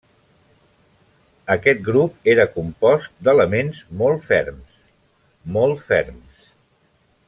Aquest grup era compost d'elements molt ferms, molt ferms.